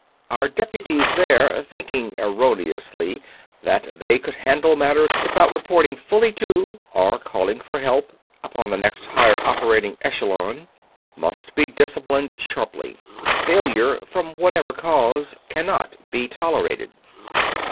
Our deputies there, thinking erroneously that they could handle matters without reporting fully to or calling for help upon the next higher operating echelon, must be disciplined sharply. Failure, from whatever cause, can not be tolerated.